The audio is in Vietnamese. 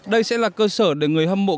đây sẽ là cơ sở để người hâm mộ